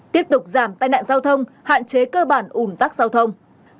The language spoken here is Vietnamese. tiếp tục giảm tai nạn giao thông hạn chế cơ bản ủn tắc giao thông